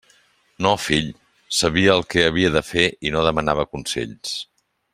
No, fill; sabia el que havia de fer, i no demanava consells.